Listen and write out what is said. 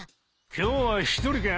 今日は一人か？